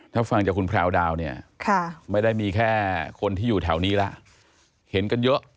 ถ้าฟังจากคุณแพรวดาวเนี่ยไม่ได้มีแค่คนที่อยู่แถวนี้แล้วเห็นกันเยอะ